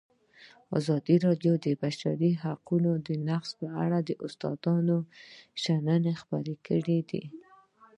ازادي راډیو د د بشري حقونو نقض په اړه د استادانو شننې خپرې کړي.